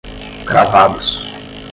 cravados